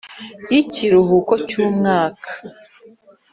Y ikiruhuko cy umwaka